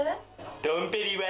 ドンペリは？